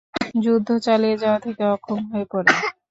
যুদ্ধ চালিয়ে যাওয়া থেকে অক্ষম হয়ে পড়েন।